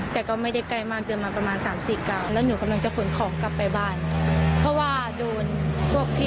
ที่มาขู่เอาไว้